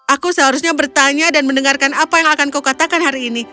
aku seharusnya bertanya dan mendengarkan apa yang akan kau katakan hari ini